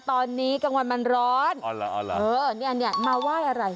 ตอนนี้กลางวันมันร้อนอ๋อเหรอเออเนี่ยเนี่ยมาไหว้อะไร